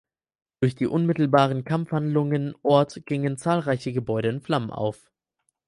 Durch die unmittelbaren Kampfhandlungen Ort gingen zahlreiche Gebäude in Flammen auf.